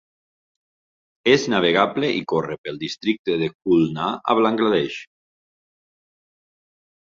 És navegable i corre pel districte de Khulna a Bangla Desh.